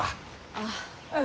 ああ。